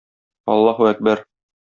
Аллаһу әкбәр!